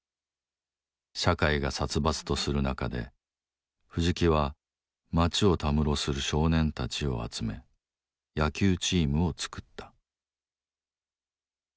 社会が殺伐とする中で藤木は町をたむろする少年たちを集め野球チームを作った。